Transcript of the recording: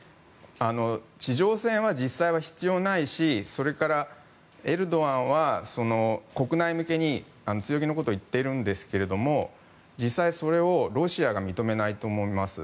地上戦は実際は必要ないしそれから、エルドアンは国内向けに強気のことを言っているんですが実際、それをロシアが認めないと思います。